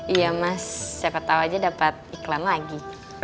iya mas siapa tau aja dapat iklan lagi